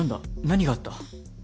何があった？